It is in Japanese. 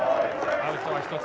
アウトは一つ。